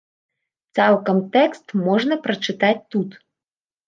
Цалкам тэкст можна прачытаць тут.